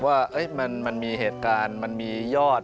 ว่ามันมีเหตุการณ์มันมียอด